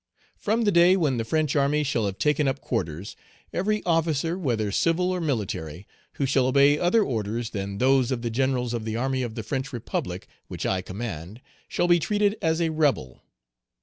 From the day when the French army shall have taken up quarters, every officer, whether civil or military, who shall obey other orders than those of the Generals of the army of the French Republic, which I command, shall be treated as a rebel.